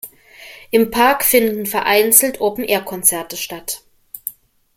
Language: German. Im Park finden vereinzelt Open-Air-Konzerte statt.